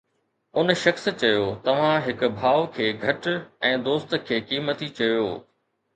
ان شخص چيو: توهان هڪ ڀاءُ کي گهٽ ۽ دوست کي قيمتي چيو